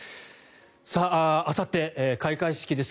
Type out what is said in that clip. あさって開会式です。